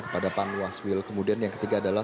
kepada panwaswil kemudian yang ketiga adalah